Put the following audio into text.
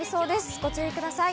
ご注意ください。